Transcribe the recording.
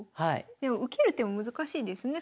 でも受ける手も難しいですね